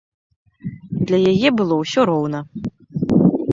Для яе было ўсё роўна.